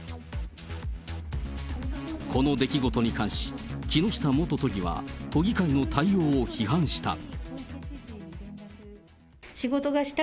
この出来事に関し、木下元都議は都議会の対応を批判した。